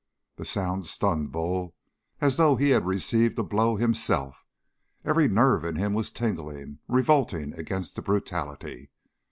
That sound stunned Bull as though he had received a blow himself. Every nerve in him was tingling, revolting against the brutality.